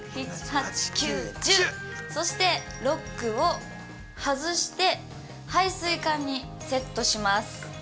そして、ロックを外して配水管にセットします。